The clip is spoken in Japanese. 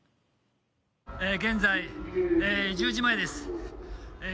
現在１０時前です。